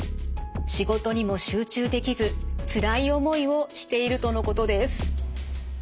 仕事にも集中できずつらい思いをしているとのことです。